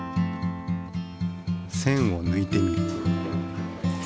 せんをぬいてみる。